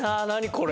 これ。